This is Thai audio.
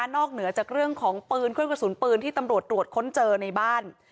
เหนือจากเรื่องของปืนเครื่องกระสุนปืนที่ตำรวจตรวจค้นเจอในบ้าน